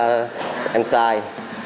em thấy em sai